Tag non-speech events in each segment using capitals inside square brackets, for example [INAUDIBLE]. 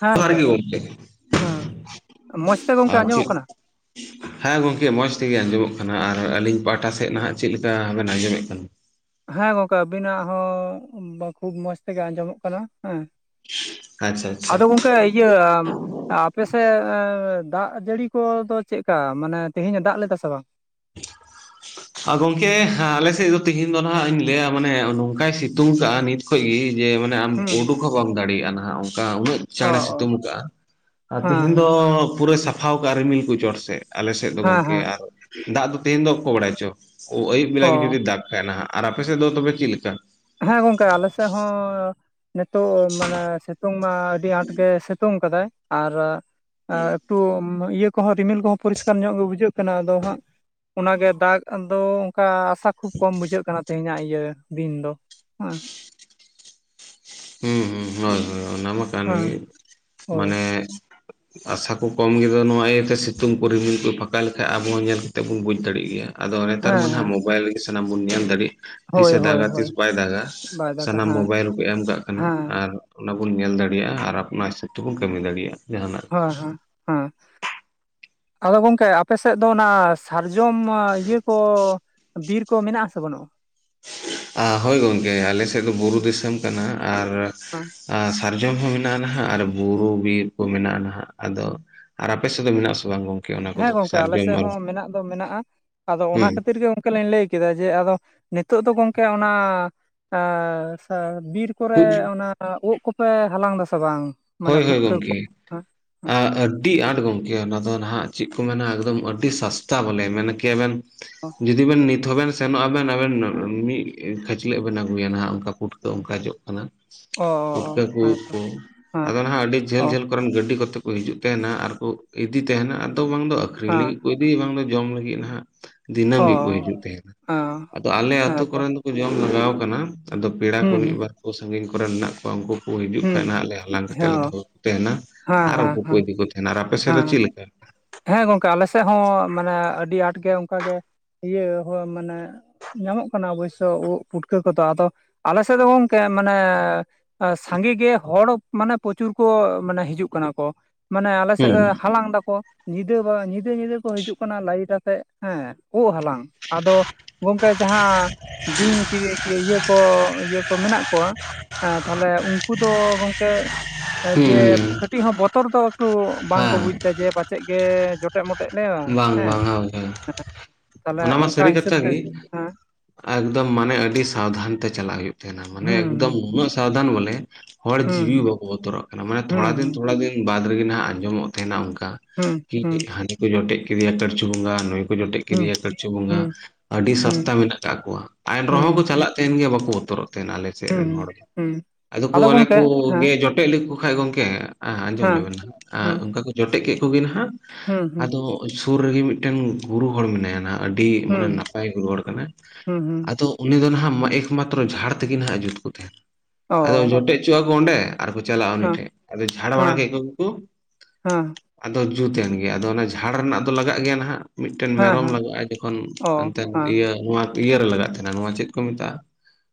ᱦᱮᱸ ᱡᱚᱦᱟᱨ ᱜᱚᱝᱠᱮ ᱜᱮ ᱠᱚᱝᱠᱮ ᱦᱮᱸ ᱢᱚᱸᱡᱽ ᱛᱮ ᱜᱚᱝᱠᱮ ᱟᱨ ᱟᱸᱡᱚᱢᱚᱜ ᱪᱮᱫ ᱠᱟᱱᱟ? ᱦᱮᱸ ᱜᱚᱝᱠᱮ ᱢᱚᱸᱡᱽ ᱛᱮᱜᱮ ᱟᱸᱡᱚᱢᱚᱜ ᱠᱟᱱᱟ ᱟᱨ ᱟᱹᱞᱤᱧ ᱯᱟᱦᱴᱟ ᱥᱮᱫ ᱱᱟᱦᱟᱜ ᱪᱮᱫᱞᱮᱠᱟᱵᱮᱱ ᱟᱸᱡᱚᱢᱮᱫ ᱠᱟᱱᱟ? ᱦᱮᱸ ᱜᱚᱝᱠᱮ ᱟᱵᱤᱱᱟᱜ ᱦᱚᱸ ᱠᱷᱩᱵ ᱢᱚᱸᱡᱽ ᱛᱮᱜᱮ ᱟᱸᱡᱚᱢᱚᱜ ᱠᱟᱱᱟ᱾ ᱦᱮᱸ ᱟᱪᱪᱷᱟ ᱟᱪᱪᱷᱟ ᱟᱫᱚ ᱜᱚᱝᱠᱮ ᱤᱭᱟᱹ ᱟᱯᱮ ᱥᱮᱫ ᱫᱟᱜ ᱡᱟᱹᱲᱤ ᱠᱚᱫᱚ ᱪᱮᱫᱠᱟ ᱢᱟᱱᱮ ᱛᱮᱦᱮᱧᱮ ᱫᱟᱜ ᱞᱮᱫᱟ ᱥᱮ ᱵᱟᱝ? [INAUDIBLE] ᱟ ᱜᱚᱝᱠᱮ ᱦᱟᱸ ᱟᱞᱮᱥᱮᱜ ᱫᱚ ᱛᱮᱦᱮᱧ ᱫᱚ ᱱᱟᱦᱟᱜ ᱤᱧ ᱞᱟᱹᱭᱟ ᱢᱟᱱᱮ ᱱᱚᱝᱠᱟᱭ ᱥᱤᱛᱩᱝ ᱠᱟᱜᱼᱟ᱾ ᱱᱤᱛ ᱠᱷᱚᱡ ᱜᱮ ᱡᱮ ᱢᱟᱱᱮ ᱟᱢ ᱦᱩᱸ ᱩᱰᱩᱠ ᱦᱚᱸ ᱵᱟᱢ ᱫᱟᱲᱮᱭᱟᱜᱼᱟ ᱱᱟᱦᱟᱜ ᱚᱝᱠᱟ, ᱩᱱᱟᱹᱜ ᱚ ᱪᱟᱸᱬᱮ ᱚ ᱥᱤᱛᱩᱝ ᱟᱠᱟᱜᱼᱟ᱾ ᱛᱤᱦᱮᱧ ᱫᱚ ᱦᱮᱸ ᱯᱩᱨᱟᱹᱭ ᱥᱟᱯᱷᱟᱣ ᱠᱟᱜᱼᱟ ᱨᱤᱢᱤᱞ ᱠᱚ ᱪᱚᱸᱴ ᱥᱮᱜ᱾ ᱟᱞᱮᱥᱮᱜ ᱫᱚ ᱦᱮᱸ ᱜᱚᱝᱠᱮ ᱦᱮᱸ ᱟᱨ ᱫᱟᱜ ᱫᱚ ᱛᱮᱦᱮᱧ ᱫᱚ ᱠᱚ ᱵᱟᱲᱟᱭ ᱪᱚ᱾ ᱳ ᱟᱹᱭᱩᱵ ᱚ ᱵᱮᱞᱟ ᱜᱮ ᱡᱩᱫᱤ ᱫᱟᱜ ᱠᱷᱟᱡ ᱱᱟᱦᱟᱜ᱾ ᱟᱨ ᱟᱯᱮ ᱥᱮᱜ ᱫᱚ ᱛᱚᱵᱮ ᱪᱤᱜ ᱞᱤᱠᱟ? ᱦᱮᱸ ᱜᱚᱝᱠᱮ ᱟᱞᱮᱥᱮᱜ ᱦᱚᱸ᱾ ᱱᱤᱛᱚᱜ ᱢᱟᱱᱮ ᱥᱮᱛᱳᱝ ᱢᱟ ᱟᱹᱰᱤ ᱟᱸᱴ ᱜᱮ ᱥᱮᱛᱳᱝ ᱠᱟᱫᱟᱭ᱾ ᱟᱨ ᱟ ᱮᱠᱴᱩ ᱩᱸ ᱤᱭᱟᱹ ᱠᱚᱦᱚᱸ ᱨᱤᱢᱤᱞ ᱠᱚᱦᱚᱸ ᱯᱚᱨᱤᱥᱠᱟᱨ ᱧᱚᱜ ᱜᱮ ᱵᱩᱡᱷᱟᱹᱜ ᱠᱟᱱᱟ᱾ ᱟᱫᱚ ᱦᱟᱸᱜ ᱚᱱᱟᱜᱮ ᱫᱟᱜ ᱫᱚ ᱚᱝᱠᱟ ᱛᱟᱸ ᱠᱷᱩᱵᱽ ᱠᱚᱢ ᱵᱩᱡᱷᱟᱹᱜ ᱠᱟᱱᱟ ᱛᱮᱦᱮᱧᱟᱜ ᱤᱭᱟᱹ ᱫᱤᱱ ᱫᱚ ᱦᱮᱸ᱾ ᱦᱩᱸ ᱦᱩᱸ ᱦᱳᱭ ᱦᱳᱭ ᱚᱱᱟᱢᱟ ᱠᱟᱱ ᱦᱮᱸ ᱜᱮ᱾ ᱦᱳᱭ ᱢᱟᱱᱮ ᱟᱥᱟ ᱠᱚ ᱠᱚᱢ ᱜᱮᱫᱚ ᱱᱚᱣᱟ ᱤᱭᱟᱹᱛᱮ ᱥᱤᱛᱩᱝ ᱨᱤᱢᱤᱞ ᱠᱚ ᱯᱷᱟᱸᱠᱟ ᱞᱮᱠᱷᱟᱡ ᱟᱵᱚ ᱦᱚᱸ ᱧᱮᱞ ᱠᱟᱛᱮᱜ ᱵᱚᱱ ᱵᱩᱡᱽ ᱫᱟᱲᱮᱭᱟᱜ ᱜᱮᱭᱟ। ᱟᱫᱚ ᱱᱮᱛᱟᱨ ᱢᱟ ᱦᱮᱸ ᱱᱟᱦᱟᱸᱜ ᱦᱮᱸ ᱢᱳᱵᱟᱭᱤᱞ ᱨᱮᱜᱮ ᱥᱟᱱᱟᱢ ᱵᱚᱱ ᱧᱮᱞ ᱫᱟᱲᱮᱭᱟᱜ। ᱦᱳᱭ ᱛᱤᱥᱮ ᱦᱳᱭ ᱫᱟᱜᱟ ᱦᱳᱭ ᱛᱤᱥ ᱵᱟᱭ ᱫᱟᱜᱟ। ᱵᱟᱭ ᱫᱟᱜᱟ ᱥᱟᱱᱟᱢ ᱦᱮᱸ ᱢᱳᱵᱟᱭᱤᱞ ᱨᱮᱠᱚ ᱮᱢ ᱠᱟᱜ ᱠᱟᱱᱟ। ᱦᱮᱸ ᱟᱨ ᱚᱱᱟ ᱵᱚᱱ ᱧᱮᱞ ᱫᱟᱲᱮᱭᱟᱜᱼᱟ, ᱟᱨ ᱟᱯᱱᱟ ᱦᱤᱥᱟᱹᱵ ᱛᱮᱵᱚᱱ ᱠᱟᱹᱢᱤ ᱫᱟᱲᱮᱭᱟᱜᱼᱟ। ᱡᱟᱦᱟᱱᱟᱜ ᱦᱳᱣᱟ ᱦᱟᱸ ᱦᱟᱸ, ᱟᱫᱚ ᱜᱚᱝᱠᱮ ᱟᱯᱮᱥᱮᱜ ᱫᱚ ᱚᱱᱟ ᱥᱟᱨᱡᱚᱢ ᱤᱭᱟᱹ ᱠᱚ ᱵᱤᱨ ᱠᱚ ᱢᱮᱱᱟᱜᱼᱟ ᱥᱮ ᱵᱟᱹᱱᱩᱜᱼᱟ? ᱟ ᱦᱳᱭ ᱜᱚᱝᱠᱮ, ᱟᱞᱮ ᱥᱮᱜ ᱫᱚ ᱵᱩᱨᱩ ᱫᱤᱥᱚᱢ ᱠᱟᱱᱟ, ᱟᱨ ᱟ ᱥᱟᱨᱡᱚᱢ ᱦᱚᱸ ᱢᱮᱱᱟᱜᱼᱟ ᱱᱟᱦᱟᱜ ᱟᱨ ᱵᱩᱨᱩ ᱵᱤᱨ ᱠᱚ ᱢᱮᱱᱟᱜᱼᱟ ᱱᱟᱦᱟᱜ᱾ ᱟᱫᱚ ᱟᱨ ᱟᱯᱮ ᱥᱮᱜ ᱫᱚ ᱢᱮᱱᱟᱜᱼᱟ ᱥᱮ ᱵᱟᱝ? ᱜᱚᱝ ᱦᱮᱸ ᱜᱚᱝᱠᱮ ᱟᱞᱮ ᱥᱮᱜ ᱦᱚᱸ ᱢᱮᱱᱟᱜ ᱫᱚ ᱢᱮᱱᱟᱜᱼᱟ᱾ ᱟᱫᱚ ᱚᱱᱟ ᱦᱩᱸ ᱠᱷᱟᱹᱛᱤᱨ ᱜᱮ ᱚ ᱜᱮᱞᱤᱧ ᱞᱟᱹᱭ ᱠᱮᱫᱟ ᱡᱮ, ᱟᱫᱚ ᱱᱤᱛᱚᱜ ᱫᱚ ᱜᱚᱢᱠᱮ ᱚᱱᱟ ᱟᱸᱻ ᱥᱟ ᱵᱤᱨ ᱠᱚᱨᱮ ᱚᱱᱟ ᱳᱜ ᱠᱚᱯᱮ ᱦᱟᱞᱟᱝ ᱮᱫᱟ ᱥᱮ ᱵᱟᱝ? ᱢᱟᱱᱮ ᱦᱳᱭ ᱦᱳᱭ ᱯᱩᱴᱠᱟᱹ ᱠᱚ ᱜᱚᱝᱠᱮ᱾ ᱦᱮᱸ ᱦᱮᱸ ᱟ ᱟᱹᱰᱤ ᱟᱸᱴ ᱜᱚᱢᱠᱮ᱾ ᱚᱱᱟ ᱫᱚ ᱱᱟᱦᱟᱜ ᱪᱮᱜ ᱠᱚ ᱢᱮᱱᱟ ᱮᱠᱫᱚᱢ ᱟᱹᱰᱤ ᱥᱟᱥᱛᱟ ᱵᱚᱞᱮ᱾ ᱢᱮᱱᱮ ᱠᱮᱭᱟ ᱵᱮᱱ ᱡᱩᱫᱤ ᱵᱮᱱ ᱱᱤᱛ ᱦᱚᱸ ᱵᱮᱱ ᱥᱮᱱᱚᱜᱼᱟ ᱵᱮᱱ ᱟᱵᱮᱱ᱾ ᱢᱤᱫ ᱠᱷᱟᱹᱪᱞᱟᱹᱜ ᱵᱮᱱ ᱟᱹᱜᱩᱭᱟ ᱱᱟᱦᱟᱜ, ᱚᱱᱠᱟ ᱯᱩᱴᱠᱟᱹ ᱚᱱᱠᱟ ᱡᱚᱜ ᱠᱟᱱᱟ᱾ ᱚ ᱯᱩᱴᱠᱟᱹ ᱠᱚ ᱦᱮᱸ ᱩᱫ ᱛᱚ ᱠᱚ। ᱦᱮᱸ ᱟᱫᱚ ᱦᱟᱜ ᱟᱹᱰᱤ ᱚ ᱡᱷᱟᱹᱞ-ᱡᱷᱟᱹᱞ ᱠᱚᱨᱮᱱ ᱜᱟᱹᱰᱤ ᱠᱚᱛᱮ ᱠᱚ ᱦᱤᱡᱩᱜ ᱛᱟᱦᱮᱱᱟ᱾ ᱟᱨ ᱠᱚ ᱤᱫᱤ ᱛᱟᱦᱮᱱᱟ᱾ ᱟᱫᱚ ᱵᱟᱝ ᱫᱚ ᱟᱹᱠᱷᱨᱤᱧ ᱦᱮᱸ ᱞᱟᱹᱜᱤᱫ ᱠᱚ ᱤᱫᱤ ᱵᱟᱝ ᱫᱚ ᱡᱚᱢ ᱞᱟᱹᱜᱤᱫ ᱱᱟᱦᱟᱜ? ᱫᱤᱱᱟᱹᱢ ᱜᱮᱠᱚ ᱚ ᱦᱤᱡᱩᱜ ᱛᱟᱦᱮᱸᱱᱟ᱾ ᱦᱮᱸ ᱟᱫᱚ ᱟᱞᱮ ᱟᱛᱳ ᱦᱮᱸ ᱛᱚ ᱠᱚᱨᱮᱱ ᱫᱚ ᱠᱚ ᱡᱚᱢ ᱞᱟᱜᱟᱣ ᱠᱟᱱᱟ᱾ ᱟᱫᱚ ᱯᱮᱲᱟ ᱠᱚ ᱦᱩᱸ ᱢᱤᱫ ᱦᱩᱸ ᱵᱟᱨ ᱠᱚ ᱥᱟᱺᱜᱤᱧ ᱠᱚᱨᱮᱱ ᱦᱮᱱᱟᱜ ᱠᱚᱣᱟ᱾ ᱩᱝᱠᱩ ᱠᱩ ᱦᱤᱡᱩᱜ ᱦᱩᱸ ᱠᱷᱟᱡ ᱱᱟᱦᱟᱜ ᱟᱞᱮ ᱦᱟᱞᱟᱝ ᱦᱮᱸ ᱠᱟᱛᱮᱫ ᱞᱮ ᱫᱚᱦᱚ ᱦᱮᱸ ᱠᱚ ᱛᱟᱦᱮᱱᱟ᱾ ᱦᱮᱸ ᱟᱨ ᱦᱮᱸ ᱩᱝᱠᱩ ᱠᱚ ᱦᱮᱸ ᱤᱫᱤ ᱠᱚ ᱛᱟᱦᱮᱱᱟ᱾ ᱟᱨ ᱟᱯᱮ ᱥᱮᱜ ᱫᱚ ᱪᱮᱜ ᱞᱮᱠᱟ? ᱦᱮᱸ ᱜᱚᱝᱠᱮ ᱟᱞᱮ ᱥᱮᱜ ᱦᱚᱸ ᱢᱟᱱᱮ ᱟᱹᱰᱤ ᱟᱸᱴ ᱜᱮ ᱚᱝᱠᱟᱜᱮ ᱤᱭᱟᱹ ᱦᱳ ᱢᱟᱱᱮ ᱧᱟᱢᱚᱜ ᱠᱟᱱᱟ ᱚᱵᱚᱥᱥᱳᱭ ᱯᱩᱴᱠᱟᱹ ᱠᱚᱫᱚ। ᱟᱫᱚ ᱟᱞᱮ ᱥᱮᱜ ᱫᱚ ᱜᱚᱝᱠᱮ ᱢᱟᱱᱮ ᱚ ᱥᱟᱸᱜᱮ ᱜᱮ ᱦᱚᱲ, ᱢᱟᱱᱮ ᱯᱨᱚᱪᱩᱨ ᱠᱚ ᱢᱟᱱᱮ ᱦᱤᱡᱩᱜ ᱠᱟᱱᱟ ᱠᱚ᱾ ᱢᱟᱱᱮ ᱟᱞᱮ ᱥᱮᱜ ᱦᱩᱸ ᱦᱟᱞᱟᱝ ᱫᱟᱠᱚ᱾ ᱧᱤᱫᱟᱹ ᱵᱟᱝ ᱧᱤᱫᱟᱹ ᱧᱤᱫᱟᱹ ᱠᱚ ᱦᱤᱡᱩᱜ ᱠᱟᱱᱟ ᱞᱟᱭᱤᱴ ᱟᱛᱮᱫ ᱦᱮᱸ ᱳᱜ ᱦᱟᱞᱟᱝ, ᱟᱫᱚ ᱜᱚᱝᱠᱮ ᱡᱟᱦᱟᱸ ᱵᱤᱧ ᱠᱤᱨᱤᱧ ᱠᱤ ᱤᱭᱟᱹ ᱠᱚ ᱤᱭᱟᱹ ᱠᱚ ᱢᱮᱱᱟᱜ ᱠᱚᱣᱟ। ᱦᱮᱸ, ᱛᱟᱞᱦᱮ ᱩᱝᱠᱩ ᱫᱚ ᱜᱚᱝᱠᱮ ᱮᱸ ᱦᱩᱸ ᱡᱮ ᱦᱩᱸ ᱠᱟᱹᱴᱤᱡ ᱦᱚᱸ ᱵᱚᱛᱚᱨ ᱫᱚ ᱮᱠᱴᱩ ᱵᱟᱝᱠᱚ ᱦᱮᱸ ᱵᱩᱡᱽ ᱮᱫᱟ। ᱡᱮ ᱯᱟᱪᱮᱫ ᱜᱮ ᱡᱚᱴ ᱢᱚᱴᱮᱡ ᱢᱚᱴᱮᱡ ᱞᱮᱭᱟ, ᱵᱟᱝ ᱦᱮᱸ। ᱵᱟᱝ ᱦᱳᱭ ᱦᱳᱭ [INAUDIBLE] ᱛᱟᱦᱚᱞᱮ ᱚᱱᱟ ᱢᱟ ᱚᱝᱠᱟ ᱥᱟᱹᱨᱤ ᱦᱤᱥᱟᱹᱵ ᱠᱟᱛᱷᱟ ᱛᱮ ᱜᱮ ᱦᱮᱸ ᱮᱠᱫᱚᱢ ᱢᱟᱱᱮ ᱟᱹᱰᱤ ᱥᱟᱵᱫᱷᱟᱱ ᱛᱮ ᱪᱟᱞᱟᱜ ᱦᱳᱭᱳᱜ ᱛᱟᱦᱮᱸᱱᱟ। ᱢᱟᱱᱮ ᱦᱩᱸ ᱮᱠᱫᱚᱢ ᱦᱩᱸ ᱩᱱᱟᱹᱜ ᱥᱟᱵᱽᱫᱷᱟᱱ, ᱵᱚᱞᱮ ᱦᱚᱲ ᱦᱩᱸ ᱡᱤᱣᱤ ᱵᱟᱠᱚ ᱵᱚᱛᱚᱨᱟᱜ ᱠᱟᱱᱟ। ᱢᱟᱱᱮ ᱛᱷᱚᱲᱟ ᱫᱤᱱ ᱦᱩᱸ ᱛᱷᱚᱲᱟ ᱫᱤᱱ ᱵᱟᱫ ᱨᱮᱜᱮ ᱱᱟᱦᱟᱜ ᱟᱸᱡᱚᱢᱚᱜ ᱛᱟᱦᱮᱱᱟ ᱚᱝᱠᱟ। ᱦᱩᱸ ᱠᱤ ᱦᱩᱸ ᱦᱟᱹᱱᱤ ᱠᱚ ᱡᱚᱴᱮᱜ ᱠᱮᱫᱮᱭᱟ ᱠᱟᱹᱲᱪᱩ ᱵᱚᱸᱜᱟ᱾ ᱱᱩᱭ ᱠᱚ ᱡᱚᱴᱮᱫ ᱦᱩᱸ ᱠᱮᱫᱮᱭᱟ ᱠᱟᱹᱲᱪᱩ ᱵᱚᱸᱜᱟ। ᱟᱹᱰᱤ ᱥᱟᱥᱛᱟ ᱦᱩᱸ ᱢᱮᱱᱟᱜ ᱟᱠᱟᱫ ᱠᱚᱣᱟ। ᱮᱱ ᱨᱮᱦᱚᱸ ᱠᱚ ᱦᱩᱸ ᱪᱟᱞᱟᱜ ᱛᱟᱦᱮᱱ ᱜᱮᱭᱟ, ᱵᱟᱠᱚ ᱵᱚᱛᱚᱨᱚᱜ ᱛᱟᱦᱮᱱᱟ ᱟᱞᱮ ᱥᱮᱫ ᱦᱩᱸ ᱨᱮᱱ ᱦᱚᱲ ᱫᱚ। ᱦᱩᱸ ᱟᱫᱚ ᱠᱚ ᱚᱱᱮ ᱜᱚᱢᱠᱮ ᱠᱚ ᱦᱮᱸ ᱜᱮ ᱡᱚᱴ ᱴᱮᱫ ᱞᱮᱠᱚ ᱠᱷᱟᱡ ᱜᱚᱝᱠᱮ, ᱟ ᱟᱸᱡᱚᱢ ᱦᱮᱸ ᱞᱮᱟᱵᱮᱱ ᱦᱟᱸᱜ, ᱟᱨ ᱦᱩᱸ ᱚᱱᱠᱟ ᱠᱚ ᱡᱚᱴᱮᱫ ᱠᱮᱫ ᱠᱚᱜᱮ ᱱᱟᱦᱟᱜ ᱦᱩᱸ ᱦᱩᱸ ᱟᱫᱚ ᱥᱩᱨ ᱨᱮᱜᱮ ᱢᱤᱫᱴᱮᱱ ᱜᱩᱨᱩ ᱦᱚᱲ ᱢᱮᱱᱟᱭᱟ ᱱᱟᱦᱟᱜ, ᱟᱹᱰᱤ ᱢᱟᱱᱮ ᱦᱩᱸ ᱱᱟᱯᱟᱭ ᱜᱩᱨᱩ ᱦᱚᱲ ᱠᱟᱱᱟᱭ, ᱦᱩᱸ ᱦᱩᱸ ᱟᱫᱚ ᱩᱱᱤ ᱫᱚ ᱱᱟᱦᱟᱜ ᱮᱠᱢᱟᱛᱨᱚ ᱡᱷᱟᱲ ᱛᱮᱜᱮ ᱱᱟᱦᱟᱜ-ᱮ ᱡᱩᱛ ᱠᱚ ᱛᱟᱦᱮᱸᱱ᱾ ᱟᱫᱚ ᱚ ᱡᱚᱴᱮᱫ ᱪᱚ ᱟᱠᱚ ᱚᱸᱰᱮ ᱟᱨ ᱠᱚ ᱪᱟᱞᱟᱜᱼᱟ ᱩᱱᱤ ᱦᱮᱸ ᱴᱷᱮᱡ, ᱟᱫᱚ ᱡᱷᱟᱲ ᱵᱟᱲᱟ ᱦᱮᱸ ᱠᱮᱫ ᱠᱚᱜ ᱠᱚ, ᱦᱮᱸ ᱟᱫᱚ ᱡᱩᱛ ᱮᱱ ᱜᱮ ᱟᱫᱚ ᱚᱱᱟ ᱡᱷᱟᱲ ᱨᱮᱱᱟᱜ ᱫᱚ ᱞᱟᱜᱟᱜ ᱜᱮᱭᱟ ᱱᱟᱦᱟᱜ ᱢᱤᱫᱴᱮᱱ ᱦᱮᱸ ᱢᱮᱨᱚᱢ ᱦᱮᱸ ᱞᱟᱜᱟᱜᱼᱟᱭ ᱡᱚᱠᱷᱚᱱ ᱚ ᱮᱱᱛᱮᱱ ᱦᱮᱸ ᱤᱭᱟᱹ ᱱᱚᱣᱟ ᱤᱭᱟᱹ ᱨᱮ ᱞᱟᱜᱟᱜ ᱛᱟᱸᱦᱮᱱᱟ ᱱᱚᱣᱟ ᱪᱮᱫ ᱠᱚ ᱢᱮᱛᱟᱜᱼᱟ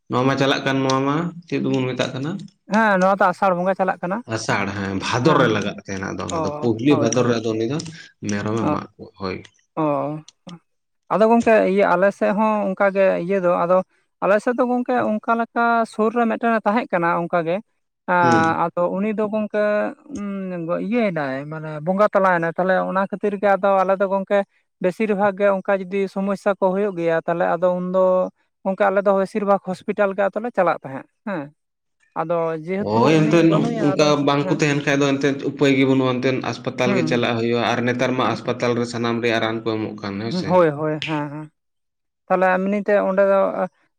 ᱱᱚᱣᱟ ᱢᱟ ᱪᱟᱞᱟᱜ ᱠᱟᱱ ᱱᱚᱣᱟ ᱢᱟ ᱪᱮᱫ ᱵᱚᱱ ᱢᱮᱛᱟᱜ ᱠᱟᱱᱟ ᱦᱮᱸ ᱱᱚᱣᱟ ᱫᱚ ᱟᱥᱟᱲ ᱵᱚᱸᱜᱟ ᱪᱟᱞᱟᱜ ᱠᱟᱱᱟ ᱟᱥᱟᱲ ᱦᱮᱸ ᱵᱷᱟᱫᱚᱨ ᱨᱮ ᱞᱟᱜᱟᱜ ᱛᱟᱸᱦᱮᱱᱟ ᱟᱫᱚ ᱫᱚ ᱚ ᱚᱱᱟ ᱫᱚ ᱯᱩᱦᱞᱤ ᱦᱳᱭ ᱵᱷᱟᱫᱚᱨ ᱦᱳᱭ ᱨᱮ ᱫᱚ ᱩᱱᱤ ᱫᱚ ᱢᱮᱨᱚᱢᱮ ᱚ ᱢᱟᱜ ᱠᱚᱣᱟ ᱦᱳᱭ᱾ ᱚ ᱟᱫᱚ ᱜᱚᱝᱠᱮ ᱤᱭᱟᱹ ᱟᱞᱮ ᱥᱮᱫ ᱦᱚᱸ ᱚᱱᱠᱟ ᱜᱮ ᱤᱭᱟᱹ ᱫᱚ ᱟᱫᱚ ᱟᱞᱮ ᱥᱮᱫ ᱫᱚ ᱜᱚᱝᱠᱮ ᱚᱱᱠᱟ ᱞᱮᱠᱟ ᱥᱳᱨ ᱨᱮ ᱢᱤᱫᱴᱮᱱᱮ ᱛᱟᱦᱮᱸ ᱠᱟᱱᱟ ᱚᱱᱠᱟ ᱜᱮ ᱮᱸ ᱦᱩᱸ ᱟ ᱫᱚ ᱩᱱᱤ ᱫᱚ ᱜᱚᱝᱠᱮ ᱩᱸ ᱜᱚ ᱤᱭᱟᱹᱭᱮᱱᱟᱭ ᱢᱟᱱᱮ ᱵᱚᱸᱜᱟ ᱛᱟᱞᱟᱭᱮᱱᱟᱭ ᱛᱟᱦᱞᱮ ᱚᱱᱟ ᱠᱷᱟᱹᱛᱤᱨ ᱜᱮ ᱟᱫᱚ ᱟᱞᱮ ᱫᱚ ᱜᱚᱝᱠᱮ ᱵᱮᱥᱤᱨ ᱵᱷᱟᱜ ᱜᱮ ᱚᱱᱠᱟ ᱡᱩᱫᱤ ᱥᱚᱢᱚᱥᱥᱟ ᱠᱚ ᱦᱩᱭᱩᱜ ᱜᱮᱭᱟ ᱛᱟᱞᱦᱮ ᱟᱫᱚ ᱩᱱᱫᱚ ᱚᱱᱠᱟ ᱟᱞᱮ ᱫᱚ ᱵᱮᱥᱤᱨ ᱵᱷᱟᱜ ᱦᱚᱸᱥᱯᱤᱴᱟᱞ ᱜᱮ ᱟᱫᱚ ᱞᱮ ᱪᱟᱞᱟᱜ ᱛᱟᱦᱮᱸᱫ ᱦᱮᱸ ᱟᱫᱚ ᱡᱮᱦᱮᱛᱩ ᱦᱳᱭ ᱩᱱᱤ ᱮᱱᱛᱮᱫ ᱵᱟᱹᱱᱩᱭᱟ ᱟᱫᱚ ᱚᱱᱠᱟ ᱵᱟᱝᱠᱚ ᱦᱮᱸ ᱛᱟᱸᱦᱮᱱ ᱠᱷᱟᱡ ᱫᱚ ᱮᱱᱛᱮᱫ ᱩᱯᱟᱹᱭ ᱜᱮ ᱵᱟᱹᱱᱩᱜᱼᱟ ᱮᱱᱛᱮᱫ ᱟᱥᱯᱟ ᱛᱟᱞ ᱜᱮ ᱦᱩᱸ ᱪᱟᱞᱟᱜ ᱦᱩᱭᱩᱜᱼᱟ, ᱟᱨ ᱱᱮᱛᱟᱨ ᱢᱟ ᱟᱥᱯᱟᱛᱟᱞ ᱨᱮ ᱥᱟᱱᱟᱢ ᱨᱮᱱᱟᱜ ᱨᱟᱱ ᱠᱚ ᱮᱢᱚᱜ ᱠᱟᱱᱟ᱾ ᱦᱩᱸ ᱦᱳᱭ ᱦᱳᱭ ᱦᱮᱸ ᱦᱮᱸ ᱛᱟᱦᱚᱞᱮ ᱮᱢᱱᱤ ᱛᱮ ᱚᱸᱰᱮ ᱫᱚ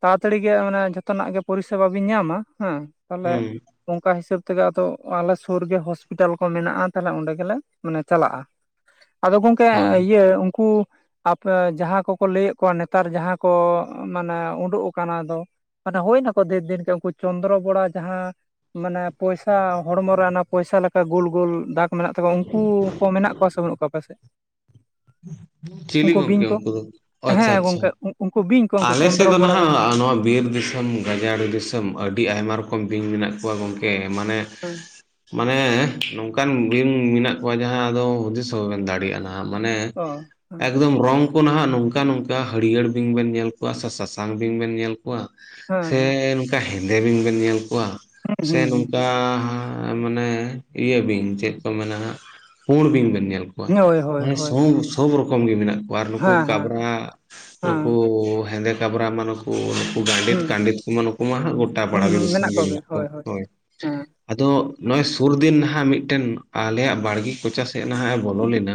ᱛᱟᱲᱟᱛᱟᱲᱤ ᱜᱮ ᱢᱟᱱᱮ ᱡᱷᱚᱛᱚ ᱨᱮᱱᱟᱜ ᱜᱮ ᱯᱚᱨᱤᱥᱮᱵᱟ ᱵᱤᱱ ᱧᱟᱢᱟ ᱦᱮᱸ, ᱛᱟᱦᱚᱞᱮ ᱦᱩᱸ ᱚᱱᱠᱟ ᱦᱤᱥᱟᱹᱵᱽ ᱛᱮᱜᱮ ᱟᱫᱚ ᱟᱞᱮ ᱥᱩᱨ ᱜᱮ ᱦᱚᱸᱥᱯᱤᱴᱟᱞ ᱠᱚ ᱢᱮᱱᱟᱜᱼᱟ ᱛᱟᱞᱦᱮ ᱚᱸᱰᱮ ᱜᱮᱞᱮ ᱢᱟᱱᱮ ᱪᱟᱞᱟᱜᱼᱟ᱾ ᱟᱫᱚ ᱜᱚᱝᱠᱮ ᱦᱳᱭ ᱤᱭᱟᱹ ᱩᱱᱠᱩ ᱟᱯᱮ ᱡᱟᱦᱟᱸ ᱠᱚᱠᱚ ᱞᱟᱹᱭᱮᱫ ᱠᱚᱣᱟ ᱱᱮᱛᱟᱨ ᱡᱟᱦᱟᱸ ᱠᱚ ᱢᱟᱱᱮ ᱩᱸᱰᱩᱜ ᱟᱠᱟᱱᱟ ᱫᱚ, ᱢᱟᱱᱮ ᱦᱳᱭ ᱱᱟᱠᱚ ᱫᱷᱮᱨ ᱫᱤᱱ ᱜᱮ ᱩᱱᱠᱩ ᱪᱚᱱᱫᱨᱚ ᱵᱚᱲᱟ ᱡᱟᱦᱟᱸ ᱢᱟᱱᱮ ᱯᱚᱭᱥᱟ ᱦᱚᱲᱢᱚ ᱨᱮ ᱚᱱᱟ ᱯᱚᱭᱥᱟ ᱞᱮᱠᱟ ᱜᱳᱞ ᱜᱳᱞ ᱫᱟᱜᱽ ᱠᱚ ᱢᱮᱱᱟᱜ ᱛᱟᱠᱚᱣᱟ ᱩᱱᱠᱩ ᱠᱚ ᱢᱮᱱᱟᱜ ᱠᱚᱣᱟ ᱥᱮ ᱵᱟᱹᱱᱩᱜ ᱠᱚᱣᱟ ᱟᱯᱮ ᱥᱮᱫ? [INAUDIBLE] ᱪᱤᱞᱤ ᱵᱤᱧ ᱜᱚᱝᱠᱮ ᱠᱚ ᱩᱱᱠᱩ ᱫᱚ? ᱚ ᱟᱪᱪᱷᱟ ᱦᱮᱸ ᱟᱪᱪᱷᱟ, ᱜᱚᱝᱠᱮ ᱩᱱᱠᱩ ᱵᱤᱧ ᱠᱚ ᱩᱱᱠᱩ ᱟᱞᱮ ᱥᱮᱫ ᱪᱚᱱᱫᱨᱚ ᱫᱚ ᱵᱚᱲᱟ ᱱᱟᱦᱟᱜ ᱡᱟᱦᱟᱸ ᱱᱚᱣᱟ ᱵᱤᱨ ᱫᱤᱥᱚᱢ ᱜᱟᱡᱟᱲ ᱫᱤᱥᱚᱢ, ᱟᱹᱰᱤ ᱟᱭᱢᱟ ᱨᱚᱠᱚᱢ ᱵᱤᱧ ᱢᱮᱱᱟᱜ ᱠᱚᱣᱟ ᱜᱚᱠᱮ ᱢᱟᱱᱮ [UNINTELLIGIBLE] ᱢᱟᱱᱮ ᱱᱚᱝᱠᱟᱱ ᱵᱤᱧ ᱢᱮᱱᱟᱜ ᱠᱚᱣᱟ ᱡᱟᱦᱟᱸ ᱫᱚ ᱦᱩᱫᱤᱥ ᱦᱚᱸ ᱵᱟᱵᱮᱱ ᱫᱟᱲᱮᱭᱟᱜᱼᱟ ᱱᱟᱦᱟᱜ ᱢᱟᱱᱮ ᱚ ᱦᱮᱸ ᱮᱠᱫᱚᱢ ᱨᱚᱝ ᱠᱚ ᱱᱟᱦᱟᱜ ᱱᱚᱝᱠᱟ ᱱᱚᱝᱠᱟ ᱦᱟᱹᱲᱭᱟᱹᱲ ᱵᱤᱧ ᱵᱮᱱ ᱧᱮᱞ ᱠᱚᱣᱟ ᱥᱮ ᱥᱟᱥᱟᱝ ᱵᱤᱧ ᱵᱮᱱ ᱧᱮᱞ ᱠᱚᱣᱟ ᱥᱮ ᱦᱮᱸ ᱱᱚᱝᱠᱟ ᱦᱮᱸᱫᱮ ᱵᱤᱧ ᱵᱮᱱ ᱧᱮᱞ ᱠᱚᱣᱟ ᱦᱮᱸ ᱥᱮ ᱦᱩᱸ ᱦᱩᱸ, ᱱᱚᱝᱠᱟ ᱮᱸ ᱢᱟᱱᱮ ᱤᱭᱟᱹ ᱵᱤᱧ, ᱪᱮᱫ ᱠᱚ ᱢᱮᱱᱟ ᱦᱟᱸᱜ, ᱯᱩᱸᱲ ᱵᱤᱧ ᱵᱮᱱ ᱧᱮᱞ ᱠᱚᱣᱟ ᱦᱳᱭ ᱦᱳᱭ ᱢᱟᱱᱮ ᱦᱳᱭ ᱦᱳᱭ, ᱦᱮᱸ ᱥᱚᱵᱽ ᱨᱚᱠᱚᱢ ᱜᱮ ᱢᱮᱱᱟᱜ ᱠᱚᱣᱟ ᱟᱨ ᱱᱩᱠᱩ ᱦᱮᱸ ᱠᱟᱵᱽᱨᱟ ᱦᱮᱸ ᱱᱩᱠᱩ ᱦᱮᱸᱫᱮ ᱠᱟᱵᱽᱨᱟ ᱢᱟᱱᱮ ᱠᱩ ᱱᱩᱠᱩ ᱜᱟᱸᱰᱮᱛ ᱦᱩᱸ ᱠᱟᱸᱰᱮᱛ ᱠᱚᱢᱟ ᱱᱩᱠᱩ ᱢᱟ ᱦᱟᱸᱜ ᱜᱚᱴᱟ ᱯᱟᱲᱟ ᱜᱮ ᱫᱤᱥᱚᱢ ᱜᱮ ᱢᱮᱱᱟᱜ ᱠᱚᱣᱟ, ᱦᱳᱭ᱾ ᱦᱮᱸ ᱟᱫᱚ ᱱᱚᱜ-ᱚᱭ ᱥᱩᱨ ᱫᱤᱱ ᱱᱟᱦᱟᱜ ᱢᱤᱫᱴᱮᱱ ᱟᱞᱮᱭᱟᱜ ᱵᱟᱲᱜᱮ ᱠᱚᱪᱟ ᱥᱮᱫ ᱱᱟᱦᱟᱜ-ᱮ ᱵᱚᱞᱚ ᱞᱮᱱᱟ,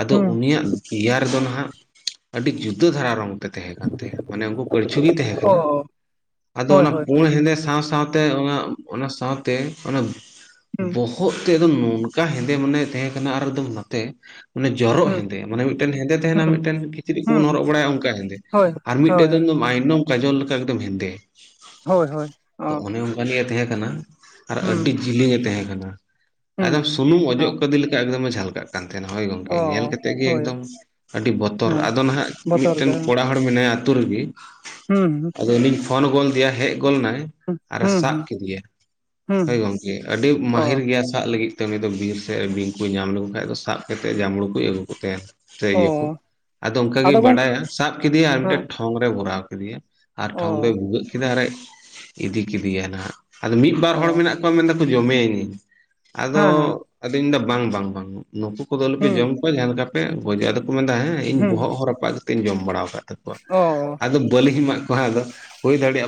ᱟᱫᱚ ᱦᱩᱸ ᱩᱱᱤᱭᱟᱜ ᱫᱮᱭᱟ ᱨᱮᱫᱚ ᱱᱟᱦᱟᱜ ᱟᱹᱰᱤ ᱡᱩᱫᱟᱹ ᱫᱷᱟᱨᱟ ᱨᱚᱝ ᱛᱮ ᱛᱟᱦᱮᱸ ᱠᱟᱱ ᱛᱟᱭᱟ, ᱢᱟᱱᱮ ᱩᱱᱠᱩ ᱠᱟᱲᱪᱷᱩ ᱜᱮᱭ ᱛᱟᱦᱮᱸ ᱠᱟᱱᱟ, ᱚ ᱟᱫᱚ ᱦᱳᱭ ᱚᱱᱟ ᱦᱳᱭ ᱯᱩᱸᱲ ᱦᱳᱭ ᱦᱮᱸᱫᱮ ᱥᱟᱶ ᱥᱟᱶ ᱛᱮ ᱚᱱᱟ, ᱚᱱᱟ ᱥᱟᱶᱛᱮ ᱚᱱᱟ ᱦᱩᱸ ᱵᱚᱦᱚ ᱵᱚᱦᱚᱜ ᱛᱮᱫ ᱫᱚ ᱱᱚᱝᱠᱟ ᱦᱮᱸᱫᱮ ᱢᱟᱱᱮ ᱛᱟᱦᱮᱸ ᱠᱟᱱᱟ, ᱟᱨ ᱮᱠᱫᱚᱢ ᱱᱟᱛᱮ ᱢᱟᱱᱮ ᱡᱚᱨᱚᱜ ᱦᱩᱸ ᱦᱮᱸᱫᱮ, ᱢᱟᱱᱮ ᱢᱤᱫᱴᱮᱱ ᱦᱮᱸᱫᱮ ᱛᱟᱸᱦᱮᱱᱟ ᱦᱩᱸ ᱢᱤᱫᱴᱮᱱ ᱠᱤᱪᱨᱤᱡ ᱠᱚᱵᱚᱱ ᱦᱩᱸ ᱦᱩᱸ, ᱦᱚᱨᱚᱜ ᱵᱟᱲᱟᱭᱟ ᱚᱱᱠᱟ ᱦᱮᱸᱫᱮ ᱾ ᱦᱳᱭ ᱟᱨ ᱢᱤᱫᱴᱮᱡ ᱫᱚ ᱦᱳᱭ ᱮᱠᱫᱚᱢ ᱢᱟᱭᱱᱚᱢ ᱠᱟᱡᱚᱞ ᱞᱮᱠᱟ ᱮᱠᱫᱚᱢ ᱦᱮᱸᱫᱮ ᱦᱳᱭ ᱦᱳᱭ ᱚ ᱛᱚ ᱚᱱᱮ ᱚᱱᱠᱟ ᱱᱤᱡ ᱮ ᱛᱟᱦᱮᱸ ᱠᱟᱱᱟ ᱾ ᱟᱨ ᱟᱹᱰᱤ ᱦᱩᱸ ᱡᱮᱞᱮᱧ ᱮ ᱛᱟᱦᱮᱸ ᱠᱟᱱᱟ᱾ ᱦᱩᱸ ᱮᱠᱫᱚᱢ ᱦᱩᱸ ᱥᱩᱱᱩᱢ ᱚᱡᱚᱜ ᱚ ᱠᱟᱫᱮ ᱞᱮᱠᱟ ᱮᱠᱫᱚᱢᱮ ᱡᱷᱟᱞᱠᱟᱜ ᱠᱟᱱ ᱛᱟᱸᱦᱮᱱᱟ ᱾ ᱦᱳᱭ ᱜᱚᱢᱠᱮ ᱧᱮᱞ ᱚ ᱠᱟᱛᱮ ᱜᱮ ᱦᱳᱭ ᱮᱠᱫᱚᱢ ᱟᱹᱰᱤ ᱵᱚᱛᱚᱨ ᱦᱮᱸ ᱟᱫᱚ ᱱᱟᱸᱜ ᱵᱚᱛᱚᱨ ᱢᱤᱫᱴᱮᱱ ᱜᱮ ᱦᱩᱸ ᱠᱚᱲᱟ ᱦᱚᱲ ᱢᱮᱱᱟᱭᱟ ᱟᱹᱛᱩ ᱨᱮᱜᱮ ᱦᱩᱸ᱾ ᱜᱟᱹᱰᱤ ᱯᱷᱳᱱ ᱜᱚᱫ ᱟᱫᱮᱭᱟ ᱦᱮᱡ ᱜᱚᱫ ᱮᱱᱟᱭ ᱾ ᱟᱨᱮ ᱦᱩᱸ ᱥᱟᱵ ᱦᱩᱸ ᱠᱮᱫᱮᱭᱟ ᱦᱩᱸ ᱦᱳᱭ ᱜᱚᱝᱠᱮ ᱟᱹᱰᱤ ᱚ ᱢᱟᱹᱦᱤᱨ ᱜᱮᱭᱟ ᱥᱟᱵ ᱞᱟᱹᱜᱤᱫ ᱩᱱᱤ ᱫᱚ ᱵᱤᱨ ᱥᱮ ᱵᱤᱧ ᱠᱚᱭ ᱧᱟᱢ ᱞᱮᱠᱚ ᱠᱷᱟᱡ ᱫᱚ ᱥᱟᱵ ᱠᱛᱮᱫ ᱡᱟᱸᱢᱲᱩ ᱠᱚ ᱟᱹᱜᱩ ᱠᱚ ᱚ ᱛᱟᱭᱟ᱾ [INAUDIBLE] ᱠᱚ ᱟᱫᱚ ᱚᱱᱠᱟᱜᱮ ᱵᱟᱰᱟᱭᱟ ᱥᱟᱵ ᱠᱮᱫᱮᱭᱟ ᱟᱨ ᱢᱤᱫᱴᱮᱱ ᱦᱮᱸ ᱴᱷᱚᱝ ᱨᱮᱭ ᱵᱷᱚᱨᱟᱣ ᱠᱮᱫᱮᱭᱟ ᱾ ᱟᱨ ᱚ ᱴᱷᱚᱝ ᱫᱚᱭ ᱵᱷᱩᱜᱟᱹᱜ ᱠᱮᱫᱟ ᱟᱨᱮ ᱤᱫᱤ ᱠᱮᱫᱮᱭᱟ ᱱᱟᱜ ᱟᱫᱚ ᱢᱤᱫ ᱵᱟᱨ ᱚ ᱦᱚᱲ ᱢᱮᱱᱟᱜ ᱠᱚᱣᱟ ᱢᱮᱱᱫᱟ ᱡᱚᱢᱮᱭᱟ ᱤᱧ ᱟᱫᱚ ᱦᱮᱸ ᱦᱮᱸ ᱟᱫᱚᱫᱩᱧ ᱢᱮᱱᱫᱟ ᱵᱟᱝ ᱵᱟᱝ ᱵᱟᱝ ᱱᱩᱠᱩ ᱠᱚᱫᱚ ᱟᱞᱚᱯᱮ ᱡᱚᱢ ᱦᱩᱸ [INAUDIBLE] ᱟᱫᱚ ᱠᱚ ᱢᱮᱱ ᱮᱫᱟ ᱦᱮᱸ ᱤᱧ ᱦᱩᱸ ᱵᱚᱦᱚᱜ ᱦᱚ ᱨᱟᱯᱟᱜ ᱠᱟᱛᱮᱤᱧ ᱡᱚᱢ ᱵᱟᱲᱟᱣ ᱟᱠᱟᱫ ᱛᱟᱯᱚᱨ ᱚ ᱟᱫᱚ ᱵᱟᱹᱞᱤ ᱮᱢᱟᱜ ᱠᱚᱣᱟᱦᱟᱸ ᱟᱫᱚ ᱾